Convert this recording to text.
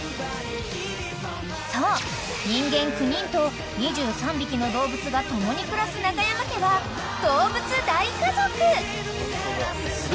［そう人間９人と２３匹のどうぶつが共に暮らす中山家はどうぶつ大家族！］